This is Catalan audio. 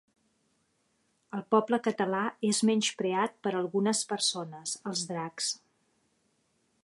El poble català és menyspreat per algunes persones, els dracs.